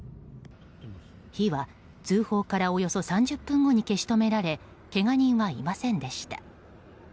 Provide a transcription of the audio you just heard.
火は通報からおよそ３０分後に消し止められけが人はいませんでした。